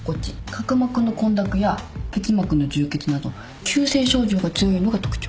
角膜の混濁や結膜の充血など急性症状が強いのが特徴。